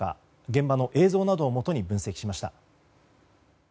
現場の映像などをもとに分析しました。